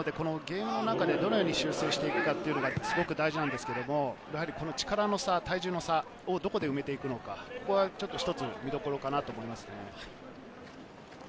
ゲームの中でどう修正していくのかが大事なんですけれど、力の差、体重の差をどこで埋めていくのか、一つの見どころだと思います。